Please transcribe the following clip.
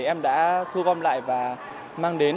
em đã thu gom lại và mang đến